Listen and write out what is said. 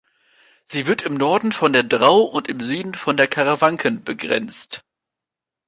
Sie wird im Norden von der Drau und im Süden von den Karawanken begrenzt.